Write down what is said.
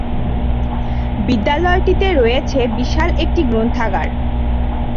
বিদ্যালয়টিতে রয়েছে বিশাল একটি গ্রন্থাগার।